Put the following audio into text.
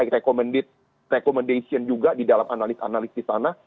recommendation juga di dalam analis analis di sana